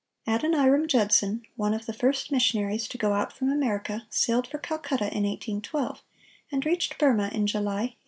Adoniram Judson, one of the first missionaries to go out from America, sailed for Calcutta in 1812, and reached Burmah in July, 1813.